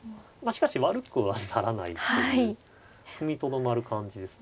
しかし悪くはならないという踏みとどまる感じですね。